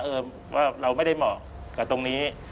เออว่าเราไม่ได้เหมาะกับตรงนี้